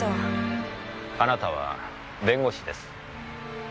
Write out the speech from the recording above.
あなたは弁護士です。